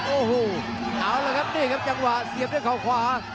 โอ้โหเอาละครับนี่ครับจังหวะเสียบด้วยเขาขวา